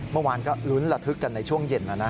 เมื่อวานก็ลุ้นระทึกกันในช่วงเย็นนะนะ